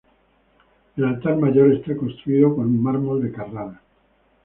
El altar mayor está construido con mármol de Carrara.